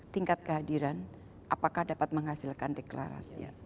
tingkat kehadiran apakah dapat menghasilkan deklarasi